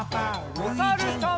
おさるさん。